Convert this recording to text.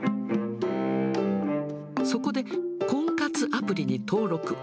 そこで、婚活アプリに登録。